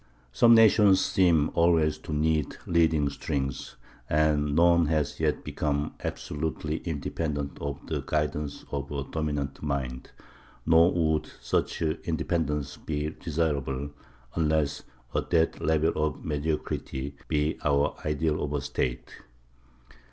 Some nations seem always to need leading strings, and none has yet become absolutely independent of the guidance of a dominant mind; nor would such independence be desirable, unless a dead level of mediocrity be our ideal of a State.